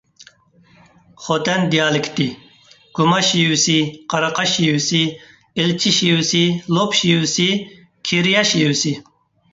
خوتەن دىئالېكتى: گۇما شېۋىسى، قاراقاش شېۋىسى، ئىلچى شېۋىسى، لوپ شېۋىسى، كىرىيە شېۋىسى.